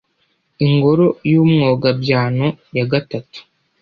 Ingoro y‘Umwogabyano! yagatatu”